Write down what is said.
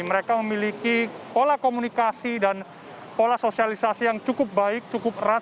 mereka memiliki pola komunikasi dan pola sosialisasi yang cukup baik cukup erat